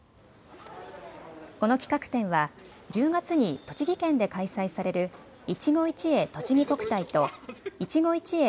この企画展は１０月に栃木県で開催される、いちご一会とちぎ国体といちご一会